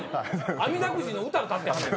あみだくじの歌歌ってはんねん。